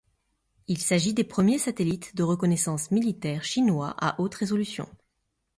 Il s'agit des premiers satellites de reconnaissance militaires chinois à haute résolution.